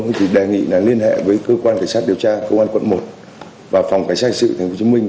chúng tôi đề nghị liên hệ với cơ quan cảnh sát điều tra cơ quan quận một và phòng cảnh sát hành sự tp hcm